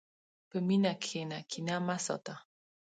په مینه کښېنه، کینه مه ساته.